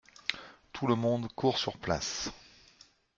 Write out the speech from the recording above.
Tout le monde court sur place.